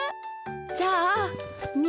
じゃあみ